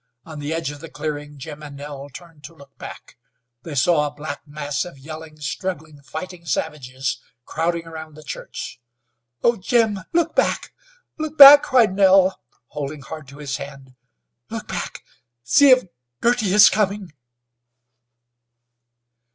On the edge of the clearing Jim and Nell turned to look back. They saw a black mass of yelling, struggling, fighting savages crowding around the church. "Oh! Jim, look back! Look back!" cried Nell, holding hard to his hand. "Look back! See if Girty is coming!"